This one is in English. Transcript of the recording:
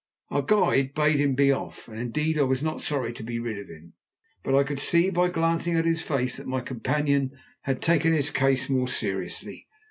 Our guide bade him be off, and indeed I was not sorry to be rid of him, but I could see, by glancing at his face, that my companion had taken his case more seriously.